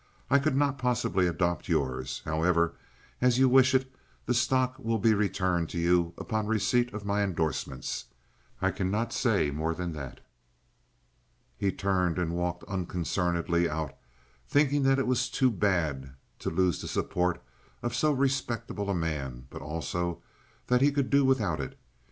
I could not possibly adopt yours. However, as you wish it, the stock will be returned to you upon receipt of my indorsements. I cannot say more than that." He turned and walked unconcernedly out, thinking that it was too bad to lose the support of so respectable a man, but also that he could do without it.